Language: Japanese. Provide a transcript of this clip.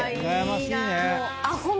いいな。